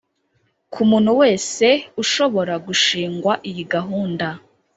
ku muntu wese ushobora gushingwa iyi gahunda